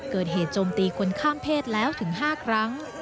เกิดเหตุโจมตีคนข้ามเพศแล้วถึง๕ครั้ง